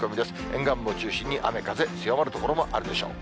沿岸部を中心に雨、風強まる所もあるでしょう。